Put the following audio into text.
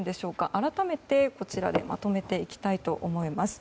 改めて、こちらでまとめていきたいと思います。